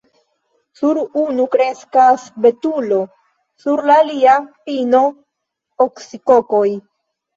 Sur unu kreskas betulo, sur la alia – pino, oksikokoj.